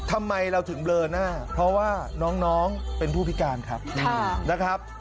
ทำไมเราถึงเบลอหน้าเพราะว่าน้องเป็นผู้พิการครับนะครับ